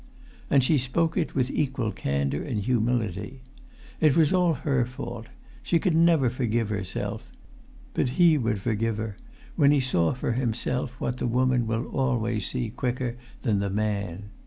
And she spoke it with equal candour and humility: it was all her fault: she could never forgive herself; but he would forgive her, when he saw for himself what the woman will always see quicker than the man.